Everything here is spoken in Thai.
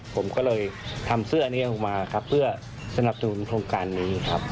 ผมก็เลยทำเสื้ออันนี้ออกมาครับเพื่อสนับสนุนโครงการนี้ครับ